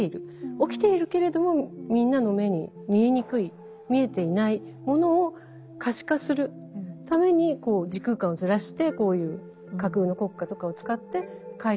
起きているけれどもみんなの目に見えにくい見えていないものを可視化するためにこう時空間をずらしてこういう架空の国家とかを使って書いているんです。